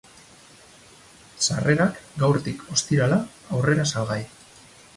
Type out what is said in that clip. Sarrerak, gaurtik, ostirala, aurrera salgai.